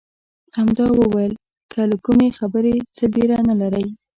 هغه وویل که له کومې خبرې څه بېره نه لرئ.